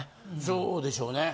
そうでしょうね。